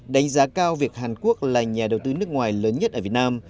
đánh giá cao việc hàn quốc là nhà đầu tư nước ngoài lớn nhất ở việt nam